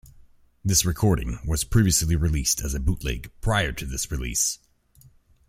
This recording was previously released as a bootleg prior to this release.